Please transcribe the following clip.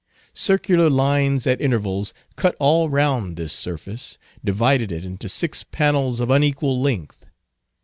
Circular lines at intervals cut all round this surface, divided it into six panels of unequal length.